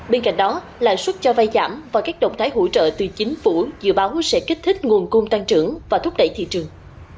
bên cạnh đó lạng suất cho vai giảm và các động thái hỗ trợ từ chính phủ dự báo sẽ kích thích nguồn cung tăng trưởng và thúc đẩy thị trường